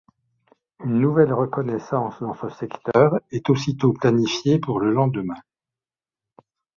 Une nouvelle reconnaissance dans ce secteur est aussitôt planifiée pour le lendemain.